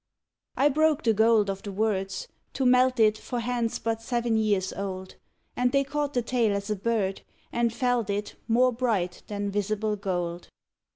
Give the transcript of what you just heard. I broke the gold of the words, to melt it For hands but seven years old, And they caught the tale as a bird, and felt it More bright than visible gold.